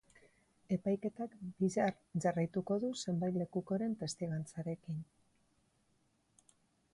Epaiketak bihar jarraituko du zenbait lekukoren testigantzarekin.